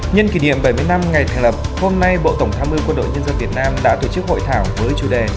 nhân kỷ niệm bảy mươi năm ngày thành lập hôm nay bộ tổng tham mưu quân đội nhân dân việt nam đã tổ chức hội thảo với chủ đề